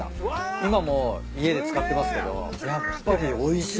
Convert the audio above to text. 今も家で使ってますけどやっぱりおいしい。